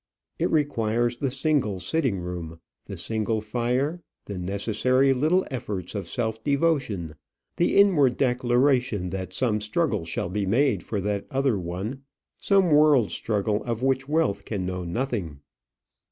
It requires the single sitting room, the single fire, the necessary little efforts of self devotion, the inward declaration that some struggle shall be made for that other one, some world's struggle of which wealth can know nothing.